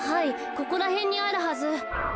ここらへんにあるはず。